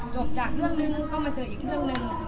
จบจากเรื่องนึงก็มาเจออีกเรื่องหนึ่ง